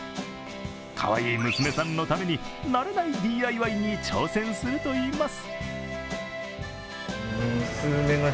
かわいい娘さんのために慣れないＤＩＹに挑戦するといいます。